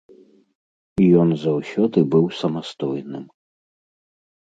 Ён заўсёды быў самастойным.